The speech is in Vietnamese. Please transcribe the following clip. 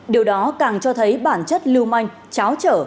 điều đó càng cho thấy bản chất lưu manh cháo trở